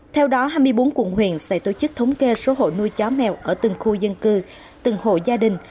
theo đó hai mươi bốn quận huyện sẽ tổ chức thống kê số hộ nuôi chó mèo ở từng khu dân cư từng hộ gia đình